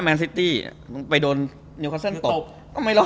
แมนซิตตี้มึงไปโดนนิวคาซ่อนก็ไม่รอดนะ